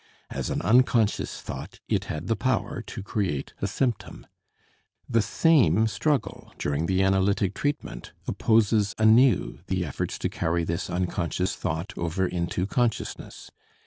As an unconscious thought it had the power to create a symptom. The same struggle during the analytic treatment opposes anew the efforts to carry this unconscious thought over into consciousness.